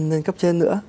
nên cấp trên nữa